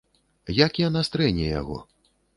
Як яна стрэне яго?